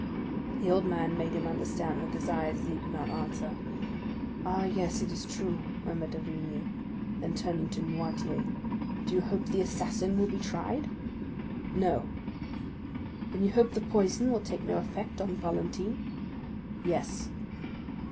The old man made him understand with his eyes that he could not answer. "Ah, yes, it is true," murmured d'Avrigny. Then, turning to Noirtier,—"Do you hope the assassin will be tried?" "No." "Then you hope the poison will take no effect on Valentine?" "Yes."